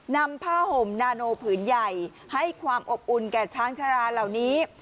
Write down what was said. นำผ้าห่มนาโนผืนใหญ่ให้ความอบอุ่นแก่ช้างชาราเหล่านี้